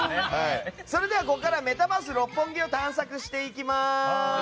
それではここからはメタバース六本木を探索していきます。